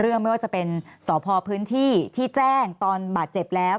ไม่ว่าจะเป็นสพพื้นที่ที่แจ้งตอนบาดเจ็บแล้ว